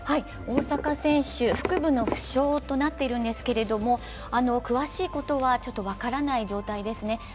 大坂選手、腹部の負傷となっているんですけれども詳しいことは分からない状態ですね。